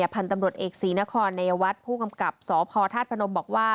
พันธุ์ตำรวจเอกศรีนครนายวัฒน์ผู้กำกับสพธาตุพนมบอกว่า